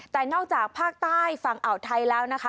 แต่นอกจากภาคใต้ฝั่งอ่าวไทยแล้วนะคะ